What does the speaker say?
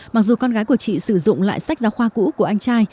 mặc dù con gái của chị sử dụng lại sách giáo khoa cũ của anh trai